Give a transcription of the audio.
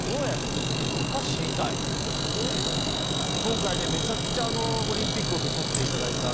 今回ねめちゃくちゃオリンピックを見させていただいたんですよ。